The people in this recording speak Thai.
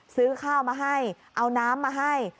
ซื้อข้าวมาให้เอาน้ำมาให้